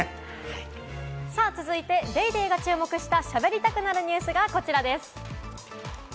続いて『ＤａｙＤａｙ．』が注目した、しゃべりたくなるニュースが、こちらです。